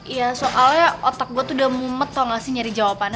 ya soalnya otak gue tuh udah mumet tau nggak sih nyari jawabannya